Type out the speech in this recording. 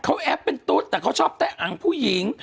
เขาแอปเป็นตุ๊ดแต่เขาชอบแตะอังผู้หญิง